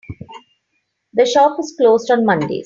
The shop is closed on mondays.